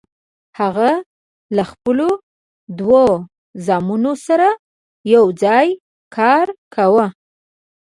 هغه له خپلو دوو زامنو سره یوځای کار کاوه.